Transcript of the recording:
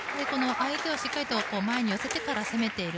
相手をしっかりと前に寄せてから攻めている。